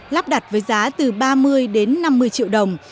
lắp đặt với giá từ ba mươi đến năm mươi triệu đồng